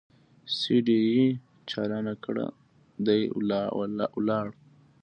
سي ډي يې چالانه کړه دى ولاړ.